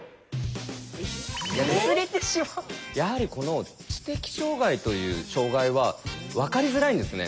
やはりこの知的障害という障害は分かりづらいんですね。